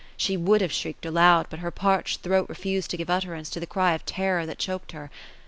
She would have shrieked aloud ; but her parched throat refused to give utterance to the cry of terror that choked her.